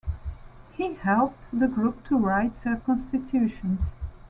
He helped the group to write their Constitutions.